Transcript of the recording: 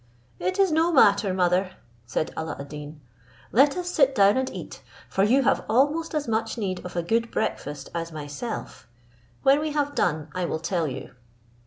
"It is no matter, mother," said Alla ad Deen, "let us sit down and eat; for you have almost as much need of a good breakfast as myself; when we have done, I will tell you."